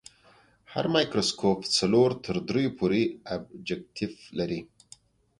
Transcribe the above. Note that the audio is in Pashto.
هر مایکروسکوپ څلور تر دریو پورې ابجکتیف لري.